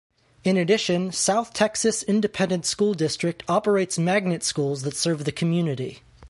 In addition, South Texas Independent School District operates magnet schools that serve the community.